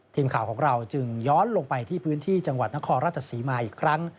ทีมข่าวของเราจึงย้อนลงไปที่พื้นที่จังหวัดนครราชศรีมาอีกครั้ง